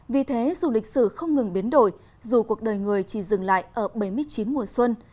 vì thế dù lịch sử không ngừng biến đổi dù cuộc đời người chỉ dừng lại ở bảy mươi chín mùa xuân